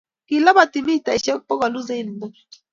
Kilapati mitaishek bokol usain Boilt